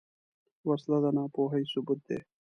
وسله د ناپوهۍ ثبوت ده